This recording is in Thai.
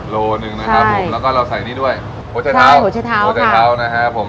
โลหนึ่งนะครับผมใช่แล้วก็เราใส่นี่ด้วยโหชเท้าโหชเท้าค่ะโหชเท้านะครับผม